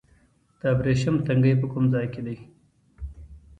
د ابریشم تنګی په کوم ځای کې دی؟